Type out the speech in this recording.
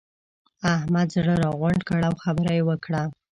احمد زړه راغونډ کړ؛ او خبره يې وکړه.